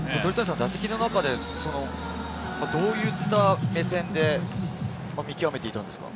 打席の中でどういった目線で見極めていたんですか？